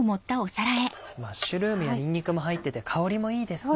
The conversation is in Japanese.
マッシュルームやにんにくも入っていて香りもいいですね。